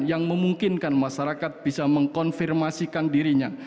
yang memungkinkan masyarakat bisa mengkonfirmasikan dirinya